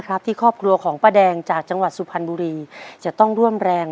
ครับที่ครอบครัวของป้าแดงจากจังหวัดสุพรรณบุรีจะต้องร่วมแรง